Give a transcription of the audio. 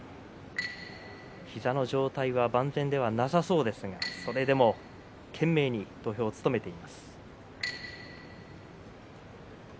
膝の状態は万全ではなさそうですが、それでも懸命に土俵を務めています。